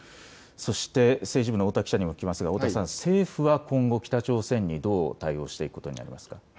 そして政治部の太田記者にも聞きますが政府は今後、北朝鮮にどう対応していくことになりますか。